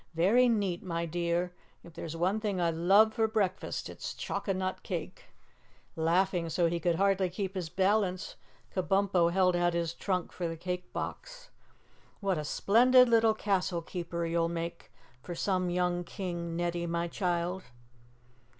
"Very neat, my dear. If there's one thing I love for breakfast it's choconut cake." Laughing so he could hardly keep his balance, Kabumpo held out his trunk for the cake box. "What a splendid little castle keeper you'll make for some young King, Netty, my child!"